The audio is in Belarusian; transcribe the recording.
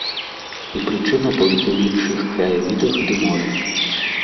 І прычына толькі ў іншых краявідах ды моры.